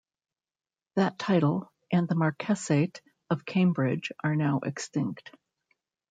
That title and the marquessate of Cambridge are now extinct.